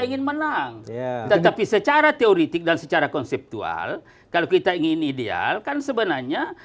ingin menang tetapi secara teoretik dan secara konseptual kalau kita ingin ideal kan sebenarnya